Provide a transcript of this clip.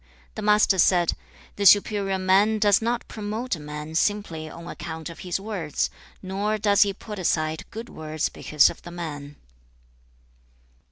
The Master said, 'The superior man does not promote a man simply on account of his words, nor does he put aside good words because of the man.'